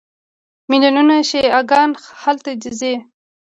میلیونونه شیعه ګان هلته ځي.